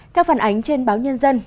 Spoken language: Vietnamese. theo phản ánh trên báo nhân dân